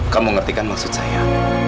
kamu ngerti kan maksud saya